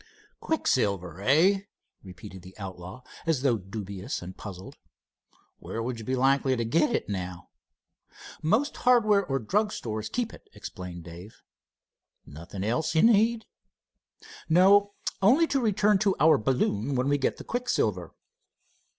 "Quicksilver, eh?" repeated the outlaw, as though dubious and puzzled. "Where would you be likely to get it now?" "Most hardware or drug stores keep it," explained Dave. "Nothing else you need?" "No, only to return to our balloon when we get the quicksilver."